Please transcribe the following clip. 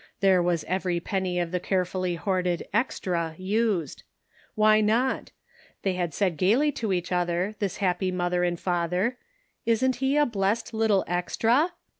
There was every penny of the carefully hoarded "extra" used. Why not ? They had said gaily to each other, this happy father and mother, " Isn't he a blessed little extra